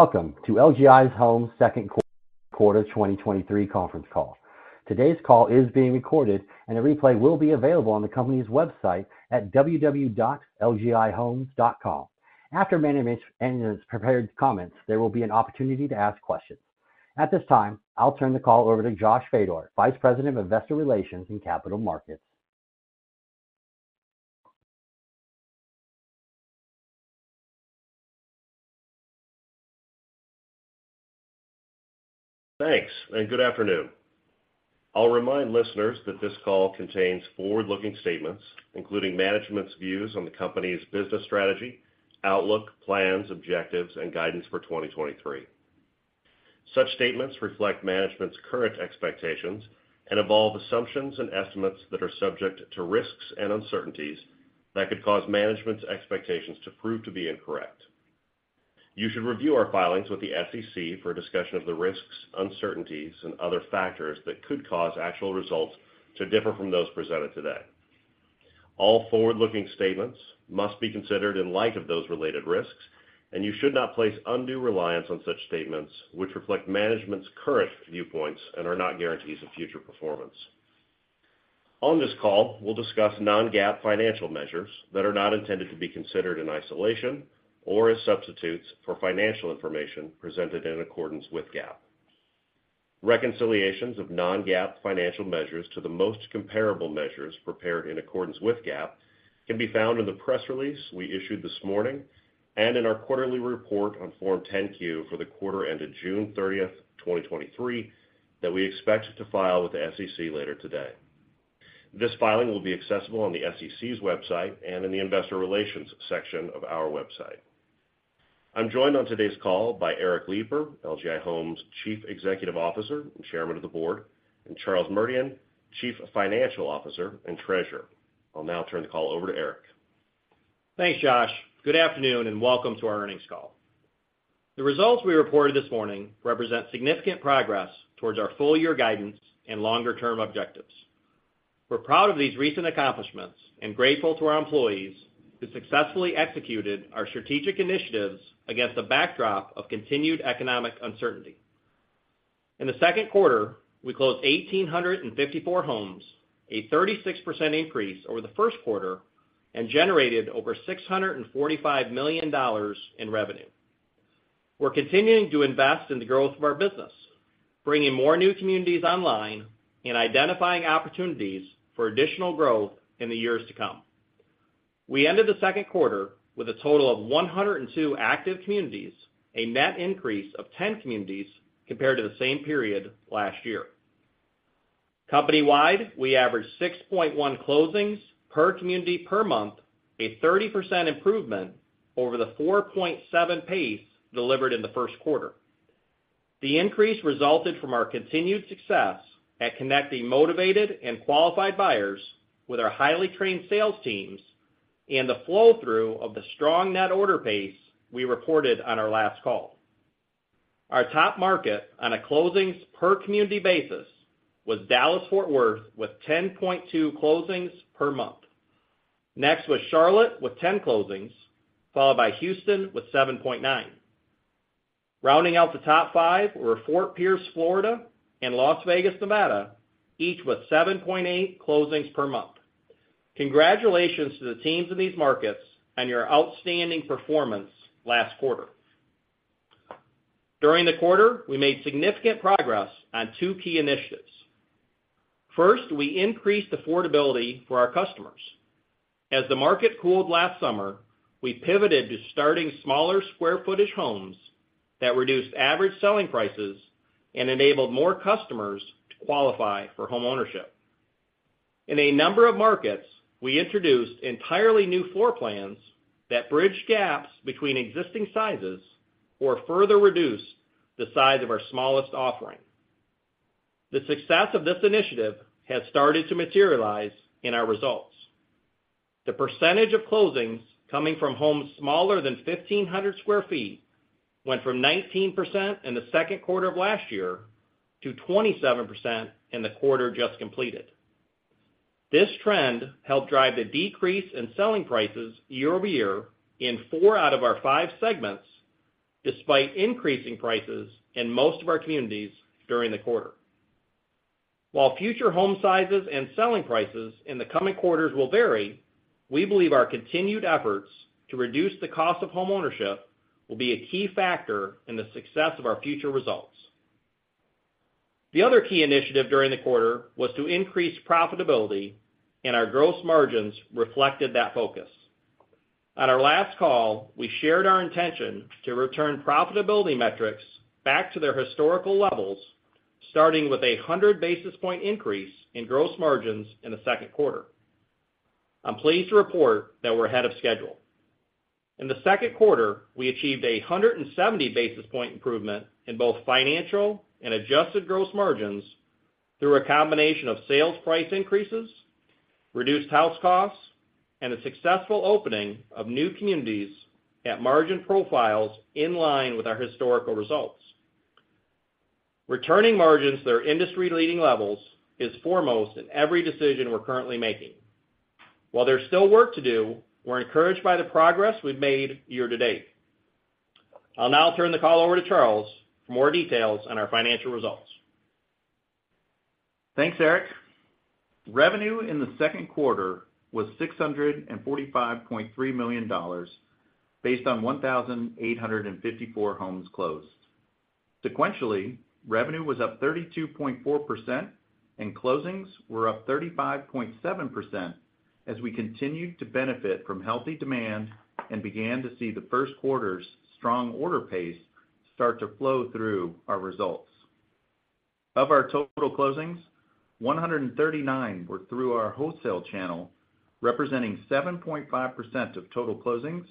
Welcome to LGI Homes' Q2 2023 Conference Call. Today's call is being recorded, and a replay will be available on the company's website at www.lgihomes.com. After management's prepared comments, there will be an opportunity to ask questions. At this time, I'll turn the call over to Josh Fattor, Vice President of Investor Relations and Capital Markets. Thanks, and good afternoon. I'll remind listeners that this call contains forward-looking statements, including management's views on the company's business strategy, outlook, plans, objectives, and guidance for 2023. Such statements reflect management's current expectations and involve assumptions and estimates that are subject to risks and uncertainties that could cause management's expectations to prove to be incorrect. You should review our filings with the SEC for a discussion of the risks, uncertainties, and other factors that could cause actual results to differ from those presented today. All forward-looking statements must be considered in light of those related risks, and you should not place undue reliance on such statements, which reflect management's current viewpoints and are not guarantees of future performance. On this call, we'll discuss non-GAAP financial measures that are not intended to be considered in isolation or as substitutes for financial information presented in accordance with GAAP. Reconciliations of non-GAAP financial measures to the most comparable measures prepared in accordance with GAAP can be found in the press release we issued this morning, and in our quarterly report on Form 10-Q for the quarter ended June 30th, 2023, that we expect to file with the SEC later today. This filing will be accessible on the SEC's website and in the investor relations section of our website. I'm joined on today's call by Eric Lipar, LGI Homes' Chief Executive Officer and Chairman of the Board, and Charles Merdian, Chief Financial Officer and Treasurer. I'll now turn the call over to Eric. Thanks, Josh. Good afternoon, and welcome to our earnings call. The results we reported this morning represent significant progress towards our full year guidance and longer-term objectives. We're proud of these recent accomplishments and grateful to our employees, who successfully executed our strategic initiatives against a backdrop of continued economic uncertainty. In the Q2, we closed 1,854 homes, a 36% increase over the Q1, and generated over $645 million in revenue. We're continuing to invest in the growth of our business, bringing more new communities online and identifying opportunities for additional growth in the years to come. We ended the Q2 with a total of 102 active communities, a net increase of 10 communities compared to the same period last year. Company-wide, we averaged 6.1 closings per community per month, a 30% improvement over the 4.7 pace delivered in the Q1. The increase resulted from our continued success at connecting motivated and qualified buyers with our highly trained sales teams and the flow-through of the strong net order pace we reported on our last call. Our top market on a closings per community basis was Dallas-Fort Worth, with 10.2 closings per month. Next was Charlotte, with 10 closings, followed by Houston with 7.9. Rounding out the top five were Fort Pierce, Florida, and Las Vegas, Nevada, each with 7.8 closings per month. Congratulations to the teams in these markets on your outstanding performance last quarter. During the quarter, we made significant progress on two key initiatives. First, we increased affordability for our customers. As the market cooled last summer, we pivoted to starting smaller square footage homes that reduced average selling prices and enabled more customers to qualify for homeownership. In a number of markets, we introduced entirely new floor plans that bridged gaps between existing sizes or further reduced the size of our smallest offering. The success of this initiative has started to materialize in our results. The percentage of closings coming from homes smaller than 1,500sq ft. went from 19% in the Q2 of last year to 27% in the quarter just completed. This trend helped drive the decrease in selling prices year-over-year in four out of our five segments, despite increasing prices in most of our communities during the quarter. While future home sizes and selling prices in the coming quarters will vary, we believe our continued efforts to reduce the cost of homeownership will be a key factor in the success of our future results. The other key initiative during the quarter was to increase profitability, and our gross margins reflected that focus. On our last call, we shared our intention to return profitability metrics back to their historical levels, starting with a 100 basis point increase in gross margins in the Q2. I'm pleased to report that we're ahead of schedule. In the Q2, we achieved a 170 basis point improvement in both financial and adjusted gross margins through a combination of sales price increases, reduced house costs, and a successful opening of new communities at margin profiles in line with our historical results. returning margins to their industry-leading levels is foremost in every decision we're currently making. While there's still work to do, we're encouraged by the progress we've made year-to-date. I'll now turn the call over to Charles for more details on our financial results. Thanks, Eric. Revenue in the Q2 was $645.3 million, based on 1,854 homes closed. Sequentially, revenue was up 32.4%, and closings were up 35.7%, as we continued to benefit from healthy demand and began to see the Q1's strong order pace start to flow through our results. Of our total closings, 139 were through our wholesale channel, representing 7.5% of total closings,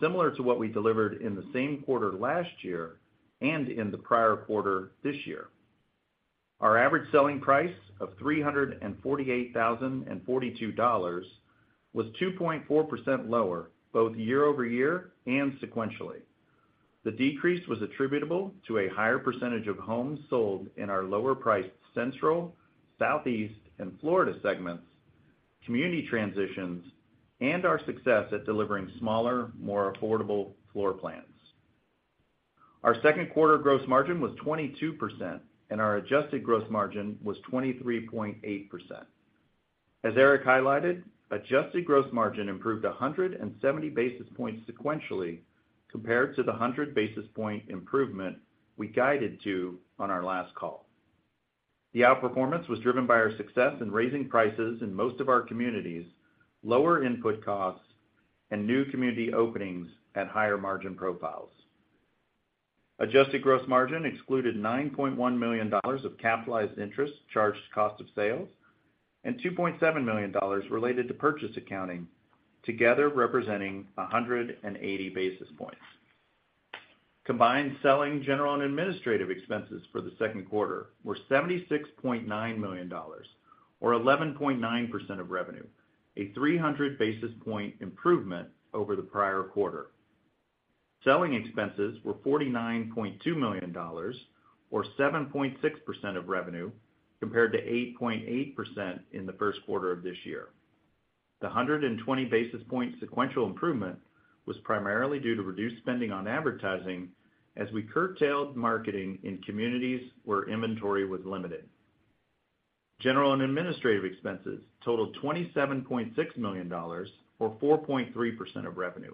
similar to what we delivered in the same quarter last year and in the prior quarter this year. Our average selling price of $348,042 was 2.4% lower, both year-over-year and sequentially. The decrease was attributable to a higher percentage of homes sold in our lower-priced Central, Southeast, and Florida segments, community transitions, and our success at delivering smaller, more affordable floor plans. Our Q2 gross margin was 22%, and our adjusted gross margin was 23.8%. As Eric highlighted, adjusted gross margin improved 170 basis points sequentially compared to the 100 basis point improvement we guided to on our last call. The outperformance was driven by our success in raising prices in most of our communities, lower input costs, and new community openings at higher margin profiles. Adjusted gross margin excluded $9.1 million of capitalized interest charged cost of sales, and $2.7 million related to purchase accounting, together representing 180 basis points. Combined selling, general, and administrative expenses for the Q2 were $76.9 million, or 11.9% of revenue, a 300 basis point improvement over the prior quarter. Selling expenses were $49.2 million or 7.6% of revenue, compared to 8.8% in the Q1 of this year. The 120 basis point sequential improvement was primarily due to reduced spending on advertising as we curtailed marketing in communities where inventory was limited. General and administrative expenses totaled $27.6 million, or 4.3% of revenue,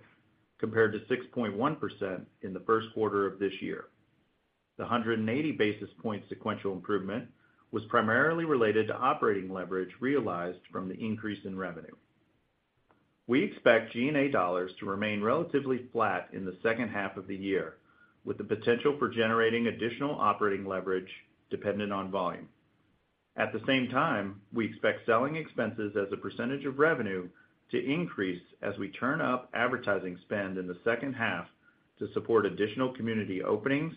compared to 6.1% in the Q1 of this year. The 180 basis point sequential improvement was primarily related to operating leverage realized from the increase in revenue. We expect G&A dollars to remain relatively flat in the second half of the year, with the potential for generating additional operating leverage dependent on volume. At the same time, we expect selling expenses as a percentage of revenue to increase as we turn up advertising spend in the second half to support additional community openings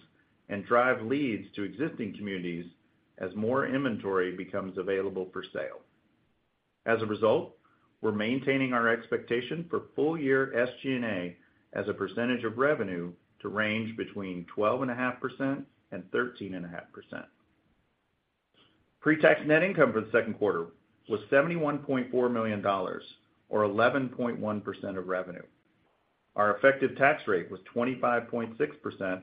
and drive leads to existing communities as more inventory becomes available for sale. As a result, we're maintaining our expectation for full-year SG&A as a percentage of revenue to range between 12.5% and 13.5%. Pre-tax net income for the Q2 was $71.4 million, or 11.1% of revenue. Our effective tax rate was 25.6%,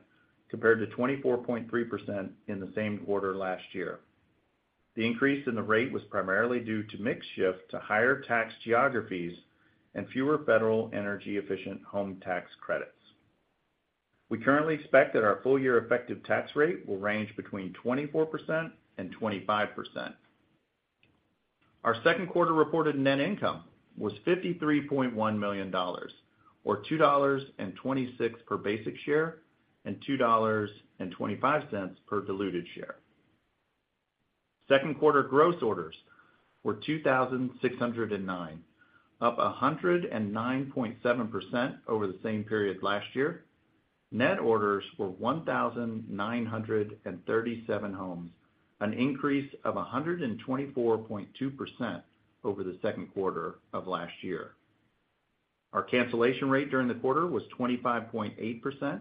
compared to 24.3% in the same quarter last year. The increase in the rate was primarily due to mix shift to higher tax geographies and fewer federal energy-efficient home tax credits. We currently expect that our full-year effective tax rate will range between 24% and 25%. Our Q2 reported net income was $53.1 million, or $2.26 per basic share, and $2.25 per diluted share. Q2 gross orders were 2,609, up 109.7% over the same period last year. Net orders were 1,937 homes, an increase of 124.2% over the Q2 of last year. Our cancellation rate during the quarter was 25.8%,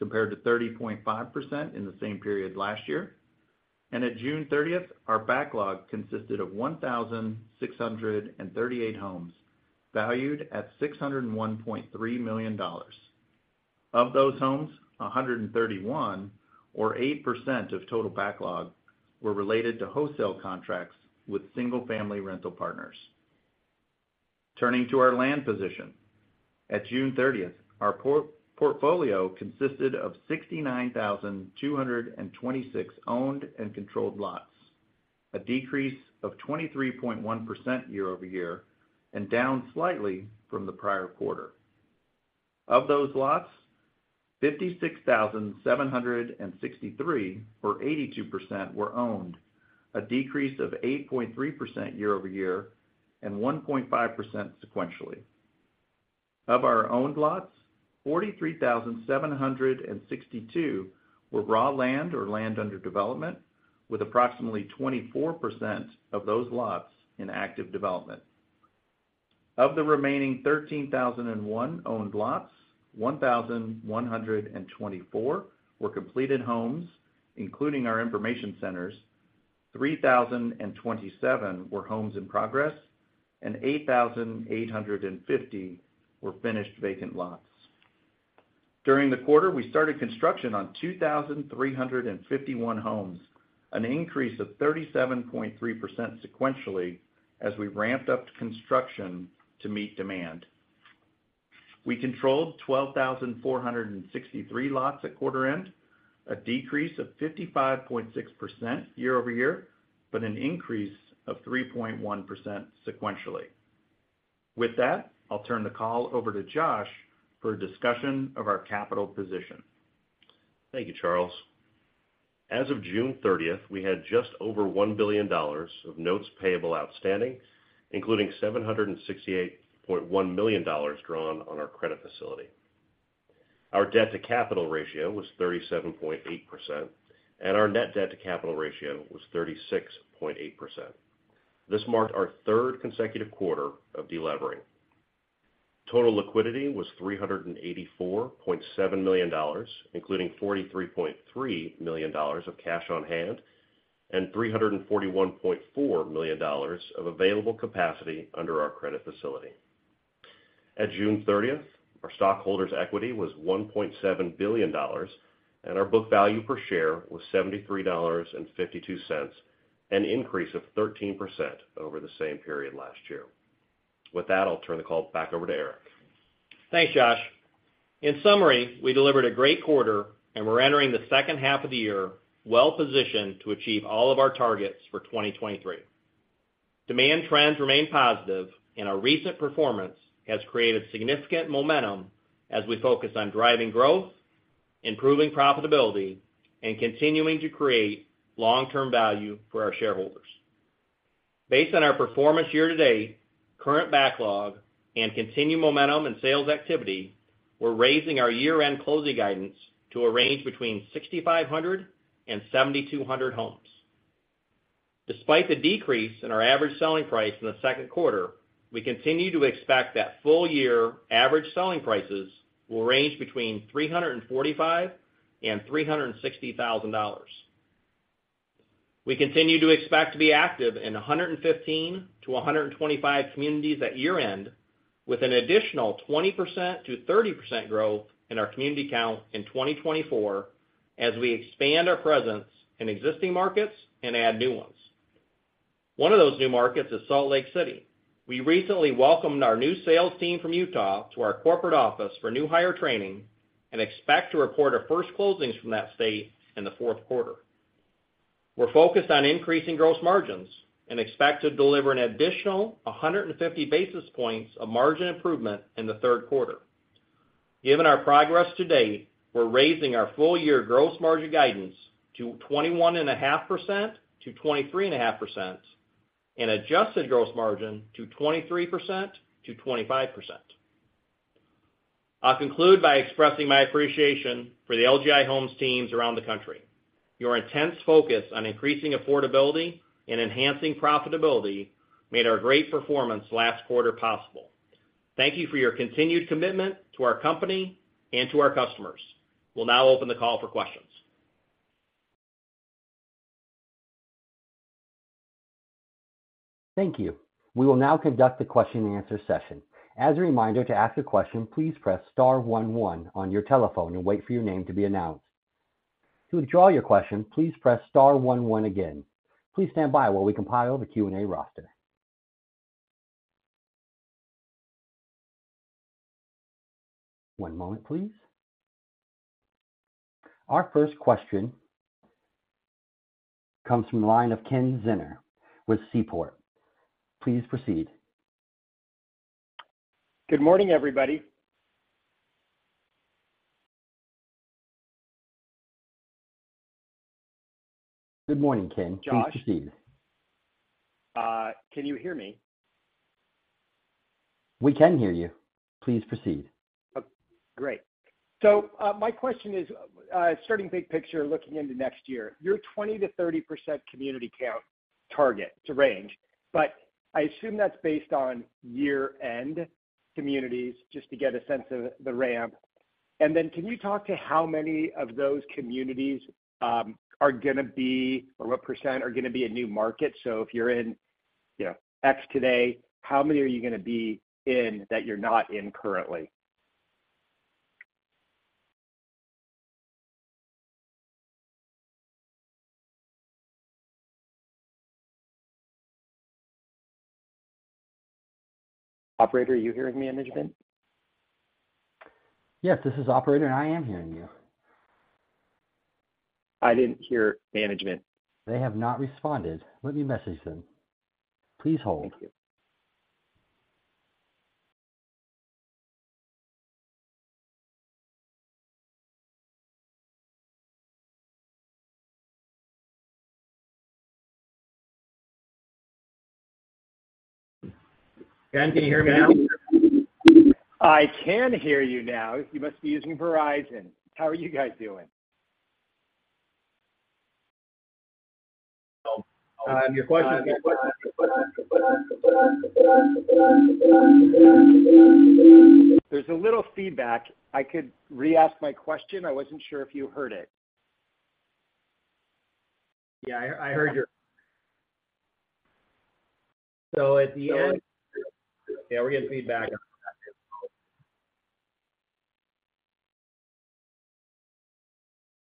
compared to 30.5% in the same period last year. At June thirtieth, our backlog consisted of 1,638 homes, valued at $601.3 million. Of those homes, 131, or 8% of total backlog, were related to wholesale contracts with single-family rental partners. Turning to our land position. At June thirtieth, our portfolio consisted of 69,226 owned and controlled lots, a decrease of 23.1% year-over-year and down slightly from the prior quarter. Of those lots, 56,763, or 82%, were owned, a decrease of 8.3% year-over-year and 1.5% sequentially. Of our owned lots, 43,762 were raw land or land under development, with approximately 24% of those lots in active development. Of the remaining 13,001 owned lots, 1,124 were completed homes, including our information centers, 3,027 were homes in progress, and 8,850 were finished vacant lots. During the quarter, we started construction on 2,351 homes, an increase of 37.3% sequentially, as we ramped up construction to meet demand. We controlled 12,463 lots at quarter end, a decrease of 55.6% year-over-year, but an increase of 3.1% sequentially. With that, I'll turn the call over to Josh for a discussion of our capital position. Thank you, Charles. As of June 30th, we had just over $1 billion of notes payable outstanding, including $768.1 million drawn on our credit facility. Our debt-to-capital ratio was 37.8%, and our net debt-to-capital ratio was 36.8%. This marked our 3rd consecutive quarter of delevering. Total liquidity was $384.7 million, including $43.3 million of cash on hand and $341.4 million of available capacity under our credit facility. At June 30th, our stockholders' equity was $1.7 billion, and our book value per share was $73.52, an increase of 13% over the same period last year. With that, I'll turn the call back over to Eric. Thanks, Josh. In summary, we delivered a great quarter, and we're entering the second half of the year well positioned to achieve all of our targets for 2023. Demand trends remain positive, our recent performance has created significant momentum as we focus on driving growth, improving profitability, and continuing to create long-term value for our shareholders. Based on our performance year-to-date, current backlog, continued momentum and sales activity, we're raising our year-end closing guidance to a range between 6,500 and 7,200 homes. Despite the decrease in our average selling price in the Q2, we continue to expect that full-year average selling prices will range between $345,000 and $360,000. We continue to expect to be active in 115 to 125 communities at year-end, with an additional 20%-30% growth in our community count in 2024, as we expand our presence in existing markets and add new ones. One of those new markets is Salt Lake City. We recently welcomed our new sales team from Utah to our corporate office for new hire training and expect to report our first closings from that state in the Q4. We're focused on increasing gross margins and expect to deliver an additional 150 basis points of margin improvement in the Q3. Given our progress to date, we're raising our full-year gross margin guidance to 21.5%-23.5%, and adjusted gross margin to 23%-25%. I'll conclude by expressing my appreciation for the LGI Homes teams around the country. Your intense focus on increasing affordability and enhancing profitability made our great performance last quarter possible. Thank you for your continued commitment to our company and to our customers. We'll now open the call for questions. Thank you. We will now conduct the question-and-answer session. As a reminder, to ask a question, please press star one one on your telephone and wait for your name to be announced. To withdraw your question, please press star one one again. Please stand by while we compile the Q&A roster. One moment, please. Our first question comes from the line of Ken Zener with Seaport. Please proceed. Good morning, everybody. Good morning, Ken. Please proceed. Josh, can you hear me? We can hear you. Please proceed. Great. My question is, starting big picture, looking into next year, your 20%-30% community count target, it's a range, but I assume that's based on year-end communities, just to get a sense of the ramp. Can you talk to how many of those communities are going to be, or what % are going to be a new market? If you're in, you know, X today, how many are you going to be in that you're not in currently? Operator, are you hearing me and management? Yes, this is operator. I am hearing you. I didn't hear management. They have not responded. Let me message them. Please hold. Thank you. Ken, can you hear me now? I can hear you now. You must be using Verizon. How are you guys doing? Your question? There's a little feedback. I could re-ask my question. I wasn't sure if you heard it. Yeah, I, I heard you. Yeah, we're getting feedback.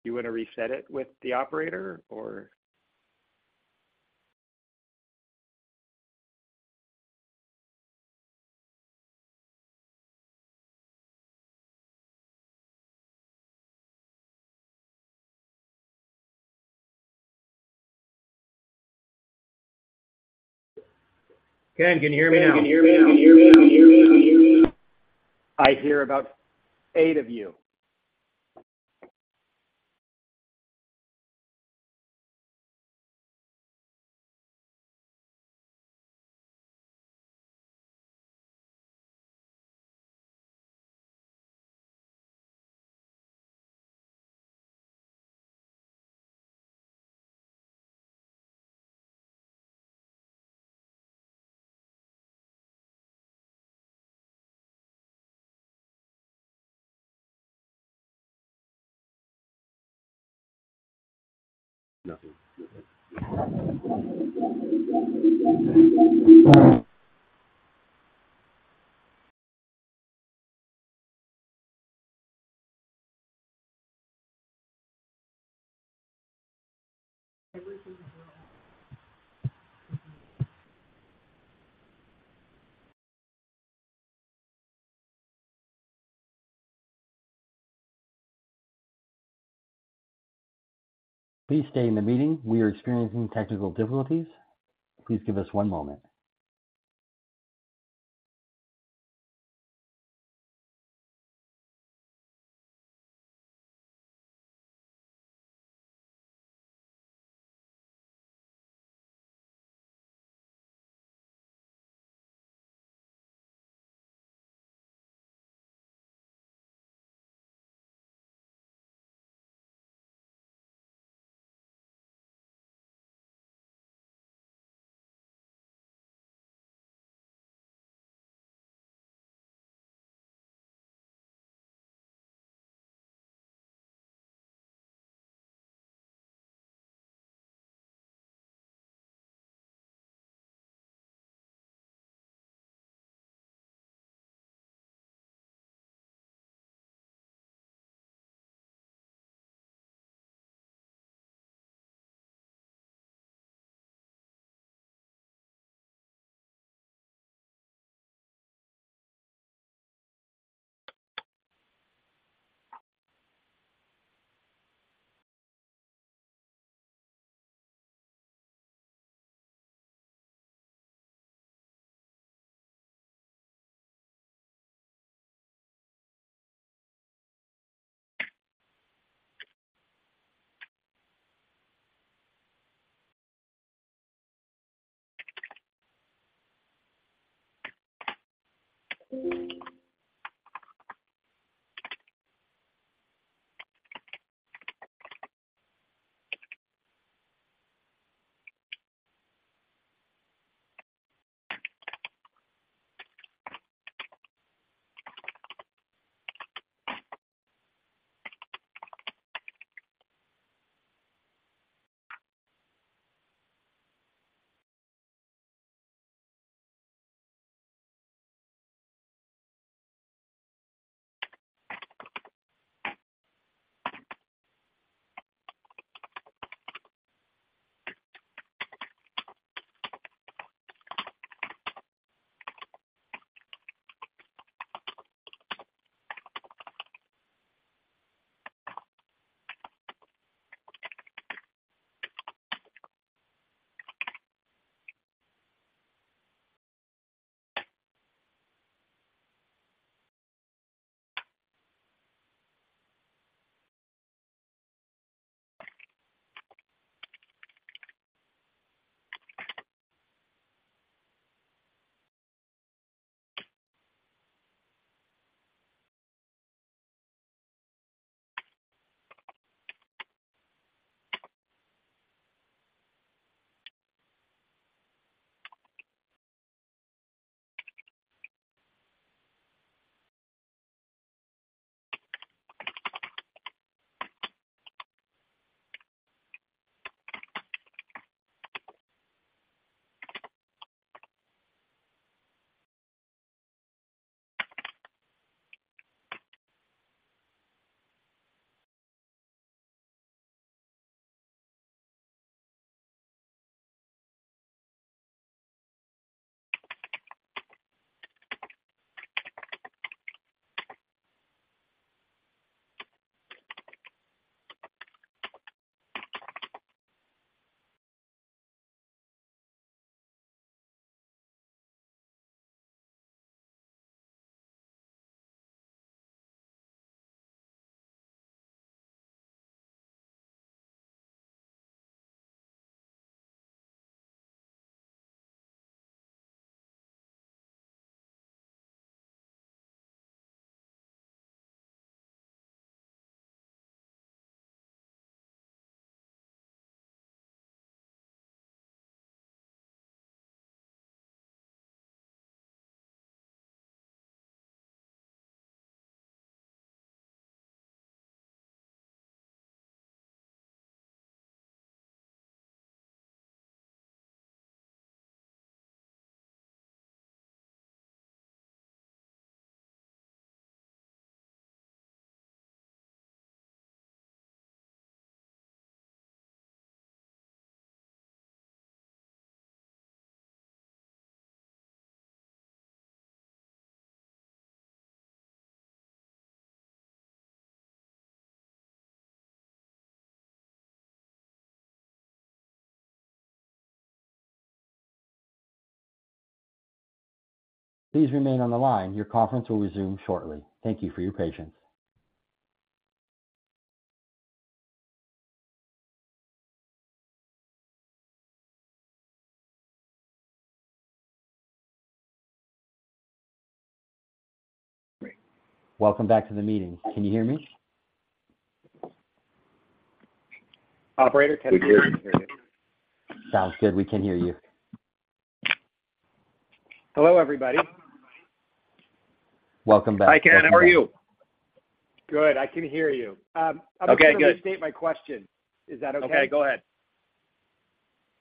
You want to reset it with the operator or? Ken, can you hear me now? I hear about 8 of you. Please stay in the meeting. We are experiencing technical difficulties. Please give us one moment. Please remain on the line. Your conference will resume shortly. Thank you for your patience. Welcome back to the meeting. Can you hear me? Operator, can you hear me? Sounds good. We can hear you. Hello, everybody. Welcome back. Hi, Ken. How are you? Good. I can hear you. Okay, good. I'm going to restate my question. Is that okay? Okay, go ahead.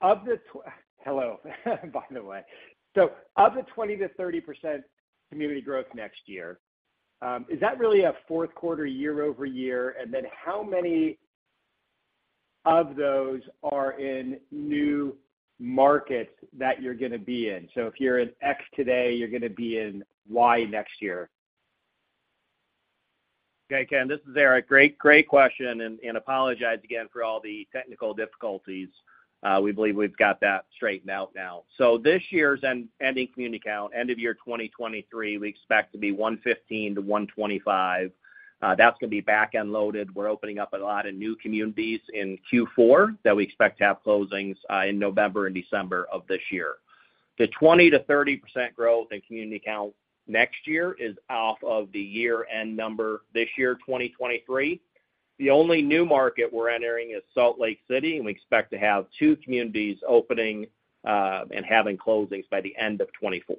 Of the tw-- Hello, by the way. Of the 20%-30% community growth next year, is that really a Q4 year-over-year? How many of those are in new markets that you're going to be in? If you're in X today, you're going to be in Y next year. Okay, Ken, this is Eric. Great, great question, and apologize again for all the technical difficulties. We believe we've got that straightened out now. This year's end, ending community count, end of year 2023, we expect to be 115-125. That's going to be back-end loaded. We're opening up a lot of new communities in Q4 that we expect to have closings in November and December of this year. The 20%-30% growth in community count next year is off of the year-end number this year, 2023. The only new market we're entering is Salt Lake City, and we expect to have 2 communities opening and having closings by the end of 2024.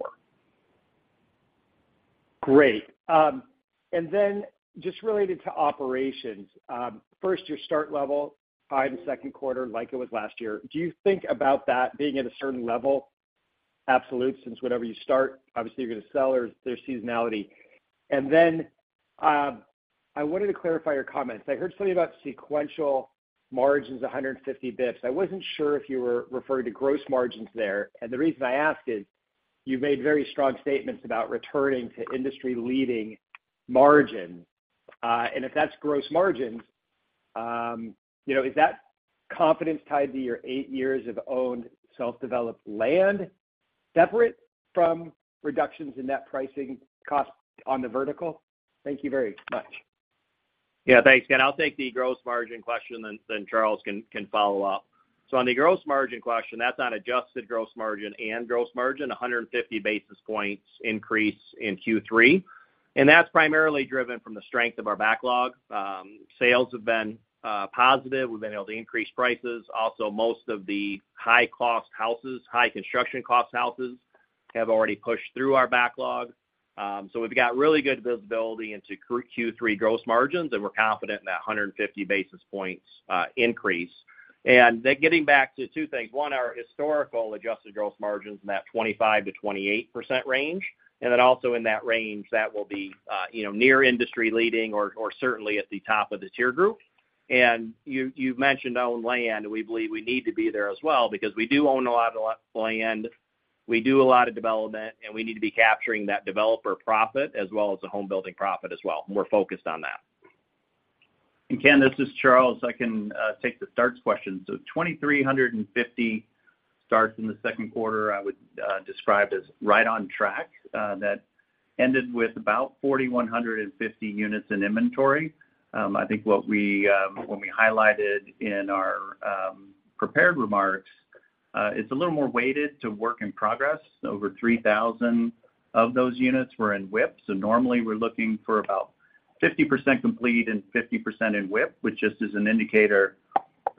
Great. Just related to operations, first, your start level, high in the Q2 like it was last year. Do you think about that being at a certain level? Absolute, since whatever you start, obviously you're going to sell or there's seasonality. I wanted to clarify your comments. I heard something about sequential margins, 150 basis points. I wasn't sure if you were referring to gross margins there. The reason I ask is, you've made very strong statements about returning to industry-leading margin. If that's gross margins, you know, is that confidence tied to your 8 years of owned self-developed land, separate from reductions in net pricing costs on the vertical? Thank you very much. Yeah, thanks, Ken. I'll take the gross margin question, then Charles can follow up. On the gross margin question, that's on adjusted gross margin and gross margin, 150 basis points increase in Q3, and that's primarily driven from the strength of our backlog. Sales have been positive. We've been able to increase prices. Also, most of the high-cost houses, high construction cost houses, have already pushed through our backlog. So we've got really good visibility into Q3 gross margins, and we're confident in that 150 basis points increase. Getting back to two things. One, our historical adjusted gross margins in that 25%-28% range, and then also in that range, that will be, you know, near industry leading or, or certainly at the top of the tier group. You, you've mentioned own land, and we believe we need to be there as well because we do own a lot of land. We do a lot of development, and we need to be capturing that developer profit as well as the home-building profit as well, and we're focused on that. Ken, this is Charles. I can take the starts question. 2,350 starts in the Q2, I would describe as right on track. That ended with about 4,150 units in inventory. I think what we, what we highlighted in our prepared remarks, it's a little more weighted to work in progress. Over 3,000 of those units were in WIP. Normally, we're looking for about 50% complete and 50% in WIP, which just is an indicator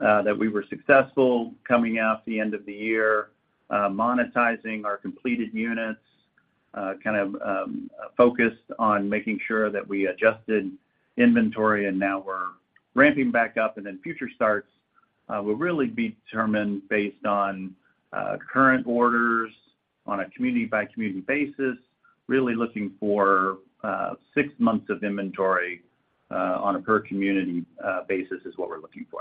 that we were successful coming out the end of the year, monetizing our completed units, kind of, focused on making sure that we adjusted inventory and now we're ramping back up. Then future starts will really be determined based on current orders on a community-by-community basis. Really looking for 6 months of inventory on a per community basis is what we're looking for.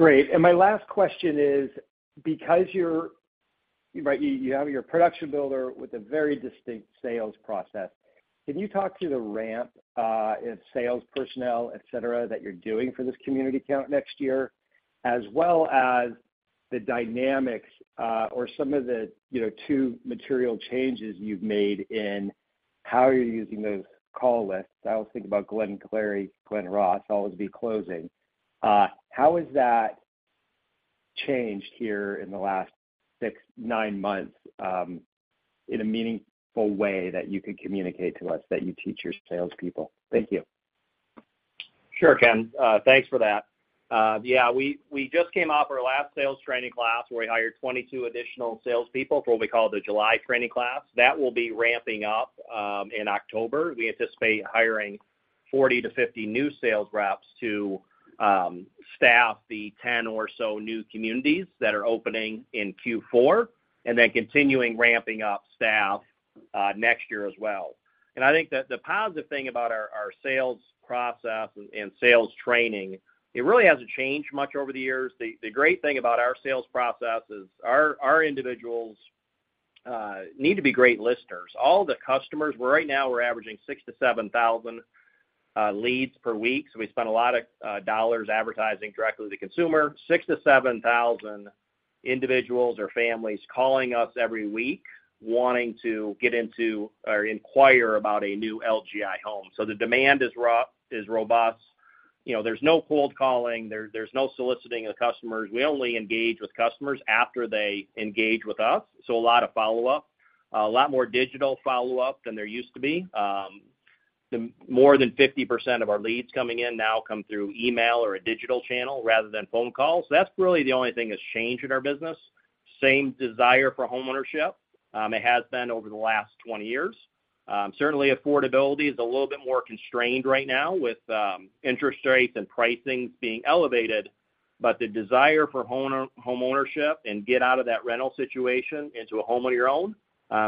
Great. My last question is, because you're-- Right, you, you have your production builder with a very distinct sales process, can you talk to the ramp in sales personnel, et cetera, that you're doing for this community count next year, as well as the dynamics, or some of the, you know, 2 material changes you've made in how you're using those call lists? I always think about Glengarry Glen Ross, always be closing. How is that... changed here in the last six, nine months, in a meaningful way that you could communicate to us that you teach your salespeople? Thank you. Sure, Ken. Thanks for that. Yeah, we, we just came off our last sales training class, where we hired 22 additional salespeople for what we call the July training class. That will be ramping up in October. We anticipate hiring 40 to 50 new sales reps to staff the 10 or so new communities that are opening in Q4, then continuing ramping up staff next year as well. I think that the positive thing about our, our sales process and, and sales training, it really hasn't changed much over the years. The, the great thing about our sales process is our, our individuals need to be great listeners. All the customers, right now, we're averaging 6,000 to 7,000 leads per week, so we spend a lot of $ advertising directly to the consumer. 6,000-7,000 individuals or families calling us every week, wanting to get into or inquire about a new LGI Homes. The demand is robust. You know, there's no cold calling, there, there's no soliciting the customers. We only engage with customers after they engage with us, so a lot of follow-up. A lot more digital follow-up than there used to be. The more than 50% of our leads coming in now come through email or a digital channel rather than phone calls. That's really the only thing that's changed in our business. Same desire for homeownership, it has been over the last 20 years. Certainly affordability is a little bit more constrained right now with interest rates and pricing being elevated, but the desire for homeownership and get out of that rental situation into a home of your own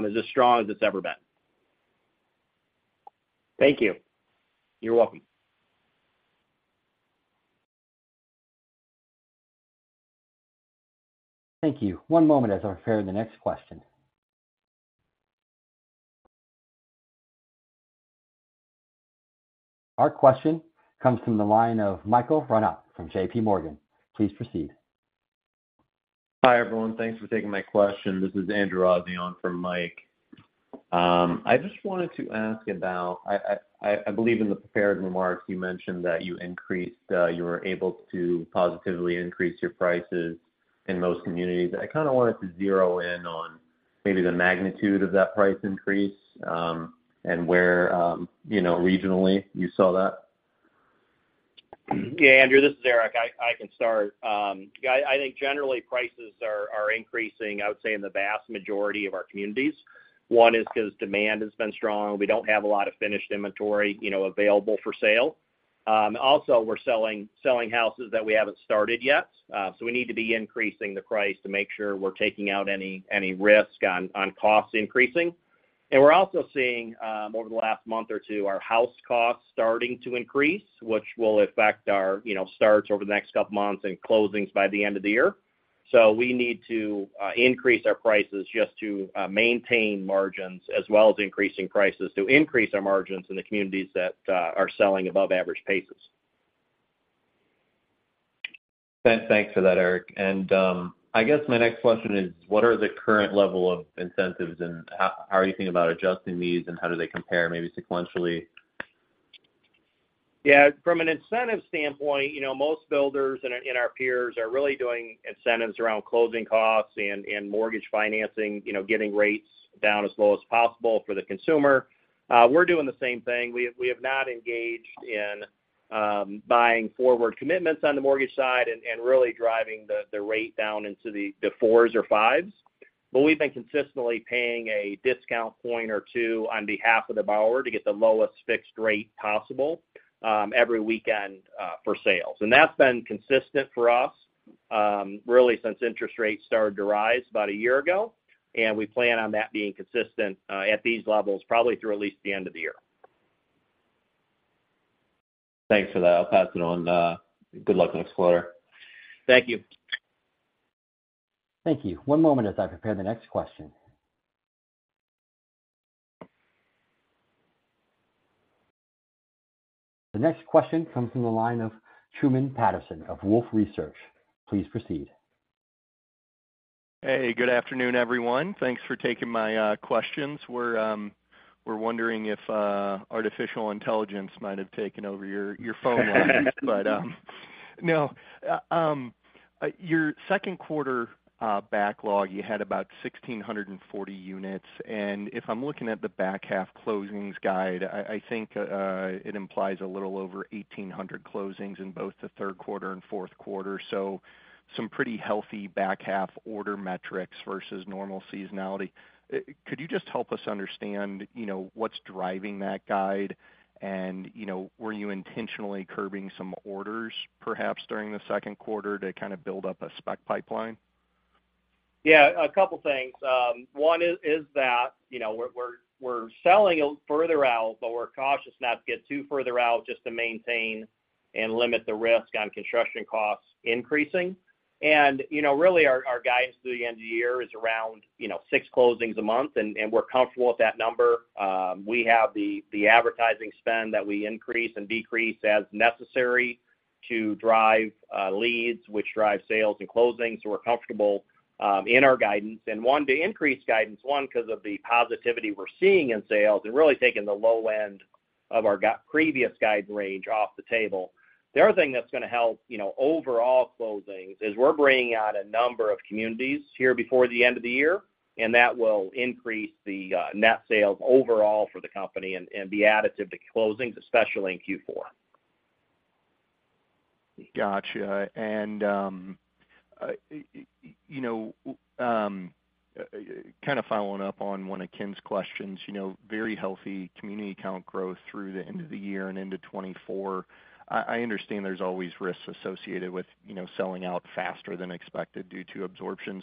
is as strong as it's ever been. Thank you. You're welcome. Thank you. One moment as I prepare the next question. Our question comes from the line of Michael Rehaut from JP Morgan. Please proceed. Hi, everyone. Thanks for taking my question. This is Andrew Azzi for Mike. I just wanted to ask about, I believe in the prepared remarks, you mentioned that you increased, you were able to positively increase your prices in most communities. I kind of wanted to zero in on maybe the magnitude of that price increase, and where, you know, regionally you saw that. Andrew, this is Eric. I, I can start. I think generally prices are, are increasing, I would say, in the vast majority of our communities. One is because demand has been strong. We don't have a lot of finished inventory, you know, available for sale. Also, we're selling, selling houses that we haven't started yet. We need to be increasing the price to make sure we're taking out any, any risk on, on costs increasing. We're also seeing over the last month or two, our house costs starting to increase, which will affect our, you know, starts over the next couple months and closings by the end of the year. We need to increase our prices just to maintain margins, as well as increasing prices to increase our margins in the communities that are selling above average paces. Thanks for that, Eric. I guess my next question is, what are the current level of incentives, and how, how are you thinking about adjusting these, and how do they compare, maybe sequentially? Yeah, from an incentive standpoint, you know, most builders and, and our peers are really doing incentives around closing costs and, and mortgage financing, you know, getting rates down as low as possible for the consumer. We're doing the same thing. We, we have not engaged in buying forward commitments on the mortgage side and, and really driving the, the rate down into the, the fours or fives. We've been consistently paying a discount point or 2 on behalf of the borrower to get the lowest fixed rate possible every weekend for sales. That's been consistent for us really since interest rates started to rise about a year ago, and we plan on that being consistent at these levels, probably through at least the end of the year. Thanks for that. I'll pass it on. Good luck on the quarter. Thank you. Thank you. One moment as I prepare the next question. The next question comes from the line of Truman Patterson of Wolfe Research. Please proceed. Hey, good afternoon, everyone. Thanks for taking my questions. We're wondering if artificial intelligence might have taken over your phone line. No. Your Q2 backlog, you had about 1,640 units, if I'm looking at the back half closings guide, I think it implies a little over 1,800 closings in both the Q3 and Q4. Some pretty healthy back half order metrics versus normal seasonality. Could you just help us understand, you know, what's driving that guide? You know, were you intentionally curbing some orders, perhaps during the Q2 to kind of build up a spec pipeline? Yeah, a couple things. One is, is that, you know, we're, we're, we're selling further out, but we're cautious not to get too further out just to maintain and limit the risk on construction costs increasing. You know, really, our, our guidance through the end of the year is around, you know, 6 closings a month, and we're comfortable with that number. We have the, the advertising spend that we increase and decrease as necessary to drive leads, which drive sales and closings. We're comfortable in our guidance. One, to increase guidance, one, because of the positivity we're seeing in sales and really taking the low end of our previous guidance range off the table. The other thing that's going to help, you know, overall closings, is we're bringing out a number of communities here before the end of the year. That will increase the net sales overall for the company and, and be additive to closings, especially in Q4. Gotcha. you know, kind of following up on one of Ken's questions, you know, very healthy community count growth through the end of the year and into 2024. I, I understand there's always risks associated with, you know, selling out faster than expected due to absorptions.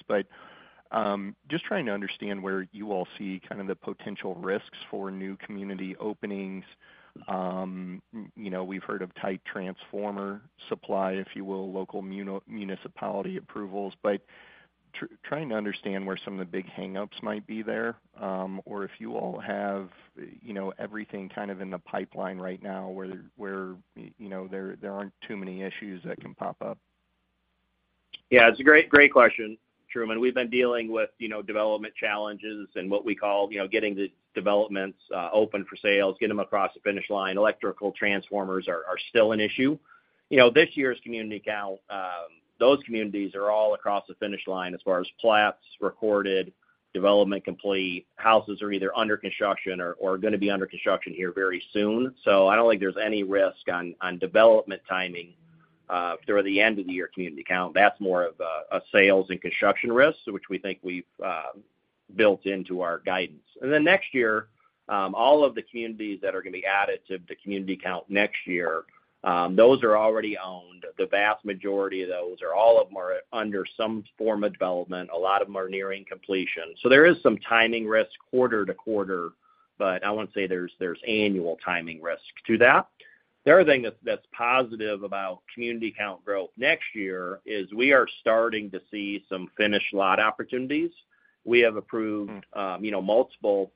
just trying to understand where you all see kind of the potential risks for new community openings. you know, we've heard of tight transformer supply, if you will, local municipality approvals. trying to understand where some of the big hangups might be there, or if you all have, you know, everything kind of in the pipeline right now, where, where, you know, there, there aren't too many issues that can pop up. Yeah, it's a great, great question, Truman. We've been dealing with, you know, development challenges and what we call, you know, getting the developments open for sales, get them across the finish line. Electrical transformers are, are still an issue. You know, this year's community count, those communities are all across the finish line as far as plats recorded, development complete, houses are either under construction or, or going to be under construction here very soon. I don't think there's any risk on, on development timing through the end of the year community count. That's more of a, a sales and construction risk, which we think we've built into our guidance. Next year, all of the communities that are going to be added to the community count next year, those are already owned. The vast majority of those or all of them are under some form of development. A lot of them are nearing completion. There is some timing risk quarter to quarter, but I wouldn't say there's annual timing risk to that. The other thing that's positive about community count growth next year is we are starting to see some finished lot opportunities. We have approved, you know, multiple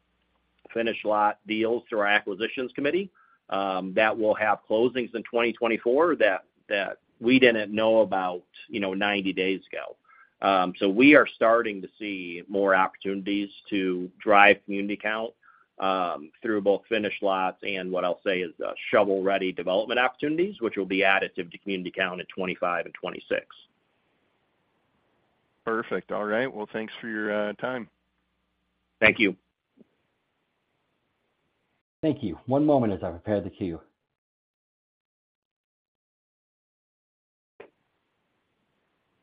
finished lot deals through our acquisitions committee that will have closings in 2024 that, that we didn't know about, you know, 90 days ago. We are starting to see more opportunities to drive community count through both finished lots and what I'll say is, shovel-ready development opportunities, which will be additive to community count in 2025 and 2026. Perfect. All right, well, thanks for your time. Thank you. Thank you. One moment as I prepare the queue.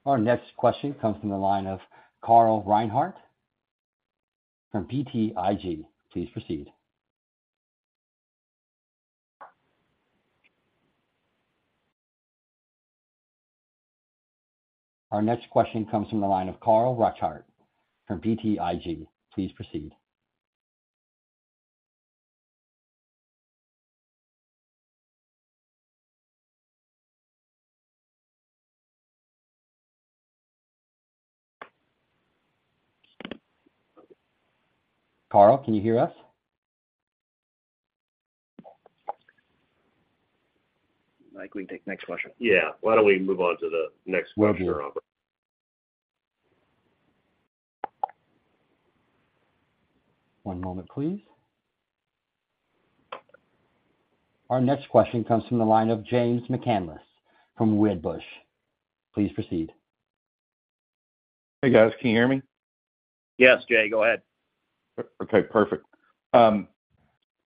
Our next question comes from the line of Carl Reichardt from BTIG. Please proceed. Our next question comes from the line of Carl Reichardt from BTIG. Please proceed. Carl, can you hear us? Mike, we can take the next question. Yeah. Why don't we move on to the next question, Robert? One moment, please. Our next question comes from the line of James McCandless from Wedbush. Please proceed. Hey, guys. Can you hear me? Yes, Jay, go ahead. Okay, perfect. All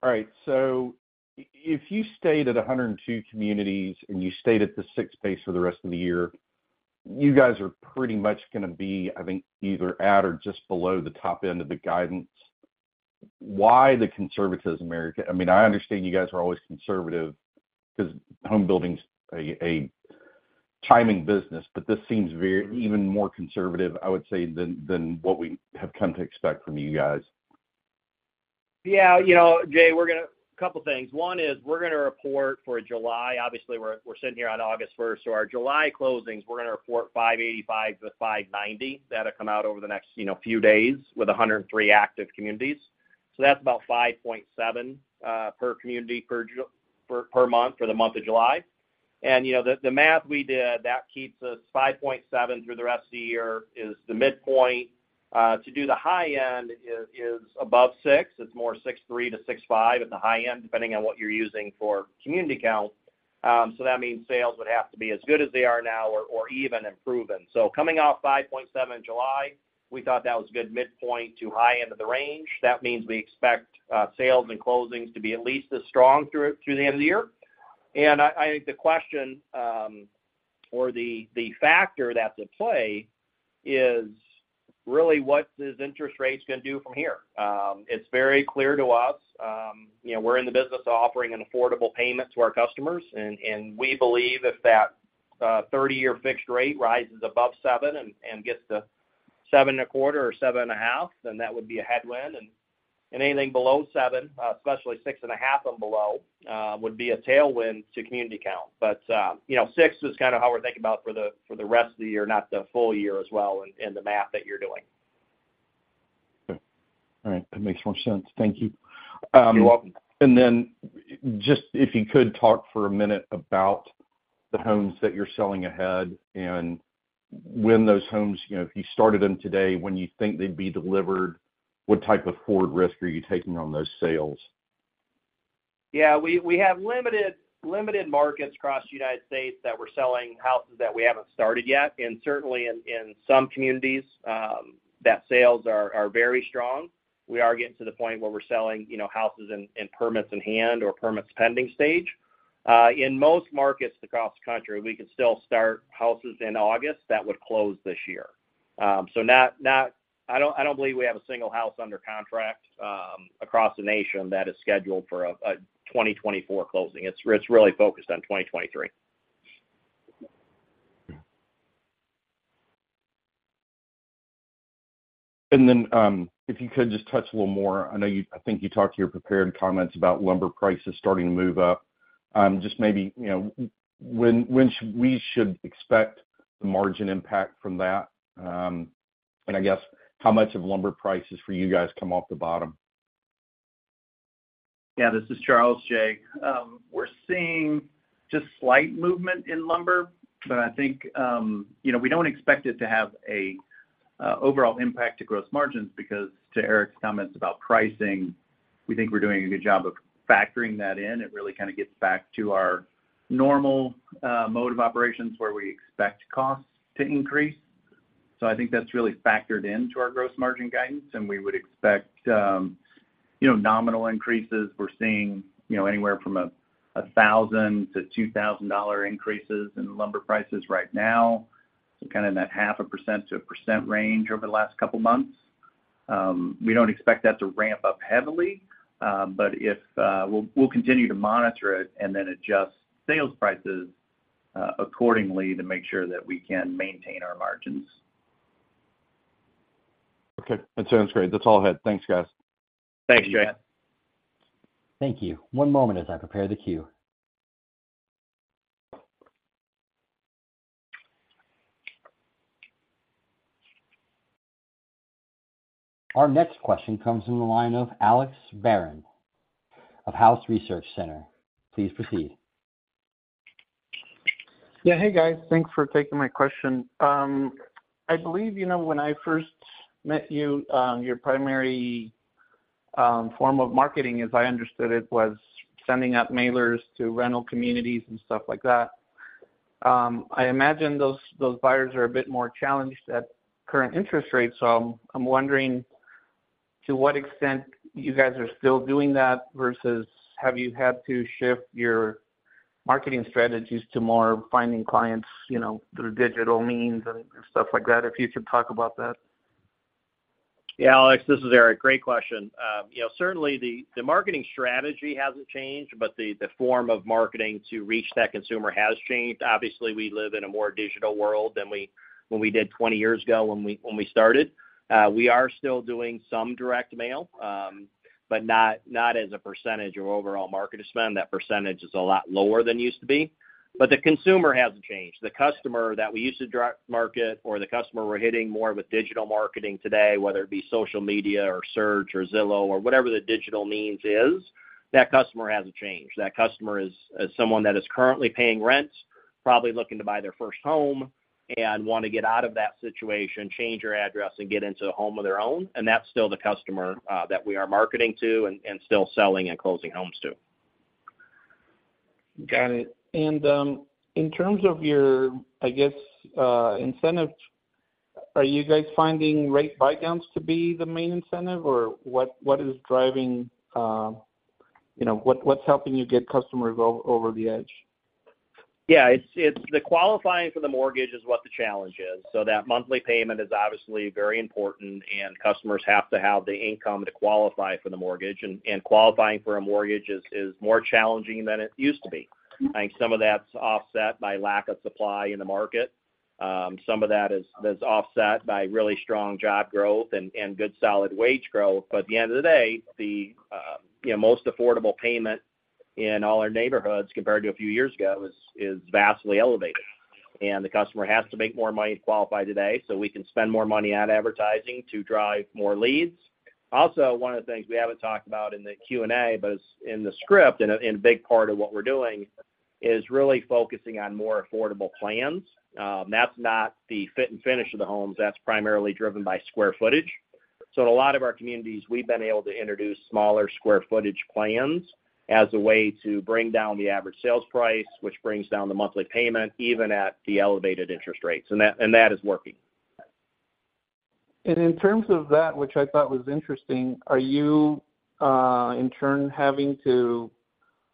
right, so if you stayed at 102 communities and you stayed at the 6 pace for the rest of the year, you guys are pretty much going to be, I think, either at or just below the top end of the guidance. Why the conservatism, Eric? I mean, I understand you guys are always conservative because home building's a timing business, but this seems very, even more conservative, I would say, than what we have come to expect from you guys. Yeah, you know, Jay, A couple of things. One is we're going to report for July. Obviously, we're, we're sitting here on August first, so our July closings, we're going to report 585-590. That'll come out over the next, you know, few days with 103 active communities. That's about 5.7 per community per per month for the month of July. You know, the math we did, that keeps us 5.7 through the rest of the year is the midpoint. To do the high end is above 6. It's more 6.3-6.5 at the high end, depending on what you're using for community count. That means sales would have to be as good as they are now or even improving. Coming off 5.7 in July, we thought that was a good midpoint to high end of the range. That means we expect sales and closings to be at least as strong through the end of the year. I, I think the question or the factor that's at play is really, what is interest rates going to do from here? It's very clear to us, you know, we're in the business of offering an affordable payment to our customers, and we believe if that 30-year fixed rate rises above 7 and gets to 7.25 or 7.5, then that would be a headwind. Anything below 7, especially 6.5 and below, would be a tailwind to community count. You know, 6 is kind of how we're thinking about for the, for the rest of the year, not the full year as well in, in the math that you're doing. Okay. All right, that makes more sense. Thank you. You're welcome. Just if you could talk for a minute about the homes that you're selling ahead and when those homes, you know, if you started them today, when you think they'd be delivered, what type of forward risk are you taking on those sales? Yeah, we, we have limited, limited markets across the United States that we're selling houses that we haven't started yet, and certainly in, in some communities, that sales are, are very strong. We are getting to the point where we're selling, you know, houses in, in permits in hand or permits pending stage. In most markets across the country, we can still start houses in August that would close this year. Not, not- I don't, I don't believe we have a single house under contract, across the nation that is scheduled for a, a 2024 closing. It's, it's really focused on 2023. If you could just touch a little more, I know you-- I think you talked to your prepared comments about lumber prices starting to move up. Just maybe, you know, when, when should we should expect the margin impact from that? I guess, how much of lumber prices for you guys come off the bottom? Yeah, this is Charles, Jay. We're seeing just slight movement in lumber, but I think, you know, we don't expect it to have a overall impact to gross margins, because to Eric's comments about pricing, we think we're doing a good job of factoring that in. It really kind of gets back to our normal mode of operations, where we expect costs to increase. I think that's really factored into our gross margin guidance, and we would expect, you know, nominal increases. We're seeing, you know, anywhere from a $1,000-$2,000 increases in lumber prices right now. Kind of in that 0.5%-1% range over the last couple of months. We don't expect that to ramp up heavily, but if... we'll, we'll continue to monitor it and then adjust sales prices accordingly to make sure that we can maintain our margins. Okay. That sounds great. That's all I had. Thanks, guys. Thanks, Jay. Thank you. One moment as I prepare the queue. Our next question comes from the line of Alex Barron of Housing Research Center. Please proceed. Yeah. Hey, guys. Thanks for taking my question. I believe, you know, when I first met you, your primary form of marketing, as I understood it, was sending out mailers to rental communities and stuff like that. I imagine those, those buyers are a bit more challenged at current interest rates. I'm wondering to what extent you guys are still doing that versus have you had to shift your marketing strategies to more finding clients, you know, through digital means and, and stuff like that? If you could talk about that. Yeah, Alex, this is Eric. Great question. You know, certainly the, the marketing strategy hasn't changed, but the, the form of marketing to reach that consumer has changed. Obviously, we live in a more digital world than we did 20 years ago, when we, when we started. We are still doing some direct mail, but not, not as a percentage of overall market spend. That percentage is a lot lower than it used to be. The consumer hasn't changed. The customer that we used to direct market or the customer we're hitting more with digital marketing today, whether it be social media or search or Zillow or whatever the digital means is, that customer hasn't changed. That customer is, is someone that is currently paying rent, probably looking to buy their first home and want to get out of that situation, change their address and get into a home of their own, and that's still the customer that we are marketing to and, and still selling and closing homes to. Got it. In terms of your, I guess, incentive, are you guys finding rate buy downs to be the main incentive, or what, what is driving, you know, what, what's helping you get customers over the edge? Yeah, it's, it's the qualifying for the mortgage is what the challenge is. That monthly payment is obviously very important, and customers have to have the income to qualify for the mortgage, and, and qualifying for a mortgage is, is more challenging than it used to be. I think some of that's offset by lack of supply in the market. Some of that is, that's offset by really strong job growth and, and good solid wage growth. At the end of the day, the, you know, most affordable payment in all our neighborhoods compared to a few years ago is, is vastly elevated, and the customer has to make more money to qualify today, so we can spend more money on advertising to drive more leads. One of the things we haven't talked about in the Q&A, but it's in the script and a big part of what we're doing is really focusing on more affordable plans. That's not the fit and finish of the homes. That's primarily driven by square footage. In a lot of our communities, we've been able to introduce smaller square footage plans as a way to bring down the average sales price, which brings down the monthly payment, even at the elevated interest rates, and that is working. In terms of that, which I thought was interesting, are you, in turn, having to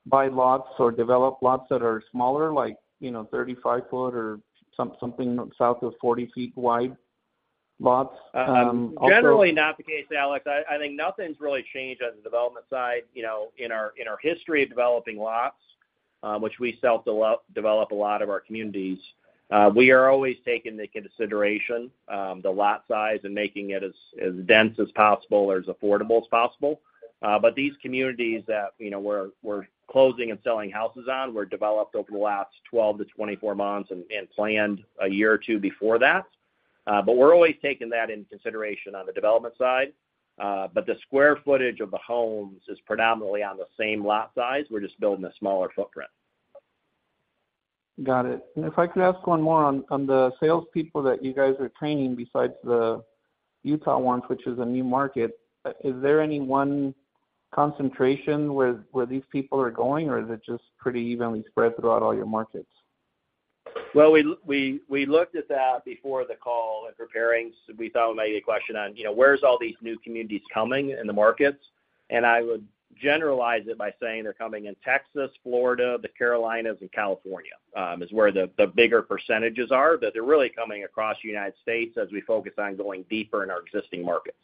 buy lots or develop lots that are smaller, like, you know, 35 foot or something south of 40 feet wide lots, also? Generally not the case, Alex. I, I think nothing's really changed on the development side. You know, in our, in our history of developing lots, which we develop a lot of our communities, we are always taking into consideration the lot size and making it as, as dense as possible or as affordable as possible. These communities that, you know, we're, we're closing and selling houses on, were developed over the last 12 to 24 months and, and planned a year or 2 before that. We're always taking that into consideration on the development side. The square footage of the homes is predominantly on the same lot size. We're just building a smaller footprint. Got it. If I could ask one more. On, on the salespeople that you guys are training, besides the Utah ones, which is a new market, is there any one concentration where, where these people are going, or is it just pretty evenly spread throughout all your markets? Well, we we, we looked at that before the call in preparing. We thought it might be a question on, you know, where's all these new communities coming in the markets. I would generalize it by saying they're coming in Texas, Florida, the Carolinas, and California, is where the, the bigger percentages are. They're really coming across the United States as we focus on going deeper in our existing markets.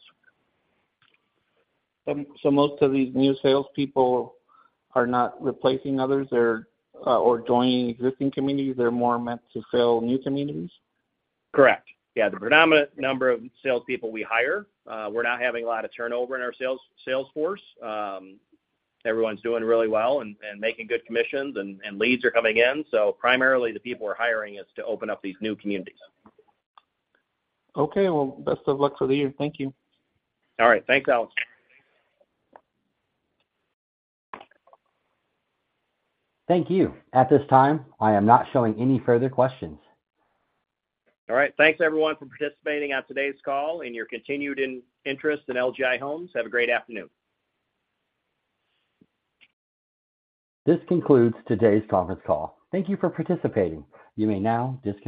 Most of these new salespeople are not replacing others or joining existing communities, they're more meant to sell new communities? Correct. Yeah, the predominant number of salespeople we hire, we're not having a lot of turnover in our sales, sales force. Everyone's doing really well and, and making good commissions, and, and leads are coming in. Primarily, the people we're hiring is to open up these new communities. Okay. Well, best of luck for the year. Thank you. All right. Thanks, Alex. Thank you. At this time, I am not showing any further questions. All right. Thanks, everyone, for participating on today's call and your continued interest in LGI Homes. Have a great afternoon. This concludes today's conference call. Thank you for participating. You may now disconnect.